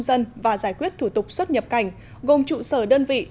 công dân và giải quyết thủ tục xuất nhập cảnh gồm trụ sở đơn vị